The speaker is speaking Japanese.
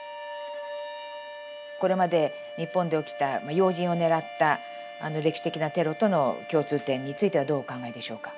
これまで日本で起きた要人を狙った歴史的なテロとの共通点についてはどうお考えでしょうか？